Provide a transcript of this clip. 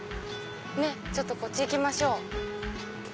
ちょっとこっち行きましょう。